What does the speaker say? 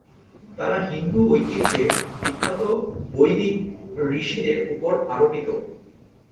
তারা হিন্দু ঐতিহ্যে বিখ্যাত বৈদিক ঋষিদের উপর আরোপিত।